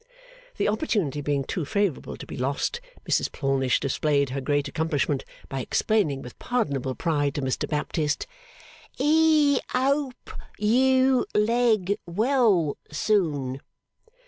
(The opportunity being too favourable to be lost, Mrs Plornish displayed her great accomplishment by explaining with pardonable pride to Mr Baptist, 'E ope you leg well soon.